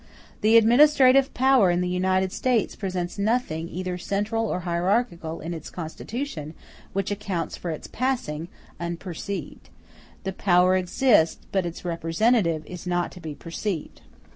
The administrative power in the United States presents nothing either central or hierarchical in its constitution, which accounts for its passing, unperceived. The power exists, but its representative is not to be perceived.